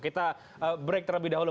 kita break terlebih dahulu